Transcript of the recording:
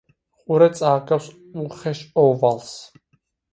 ყურე წააგავს უხეშ ოვალს.